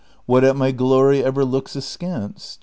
What at my glory ever looks askance